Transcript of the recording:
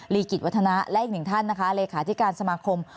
กิจวัฒนะและอีกหนึ่งท่านนะคะเลขาธิการสมาคม